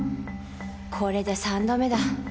これで三度目だ」